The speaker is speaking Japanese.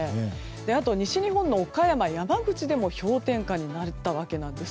あと、西日本の岡山、山口でも氷点下になったわけなんです。